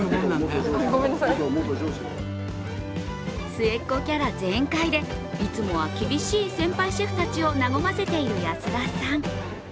末っ子キャラ全開で、いつもは厳しい先輩シェフたちを和ませている安田さん。